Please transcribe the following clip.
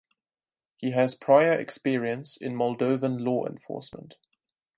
He has prior experience in Moldovan law enforcement.